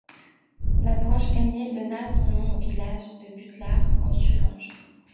La branche aînée donna son nom au village de Buttlar en Thuringe.